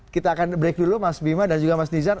kita akan break dulu mas bima dan juga mas nizar